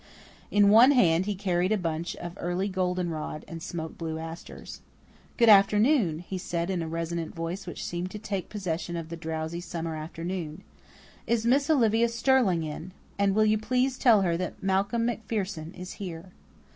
In one hand he carried a bunch of early goldenrod and smoke blue asters. "Good afternoon," he said in a resonant voice which seemed to take possession of the drowsy summer afternoon. "Is Miss Olivia Sterling in? And will you please tell her that Malcolm MacPherson is here?"